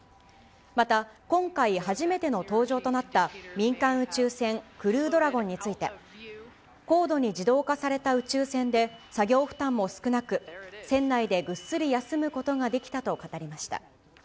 また、今回初めての搭乗となった民間宇宙船クルードラゴンについて、高度に自動化された宇宙船で作業負担も少なく、船内でぐっすり休むことができたと語りました。